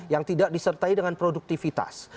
yang tidak disertai dengan produktivitas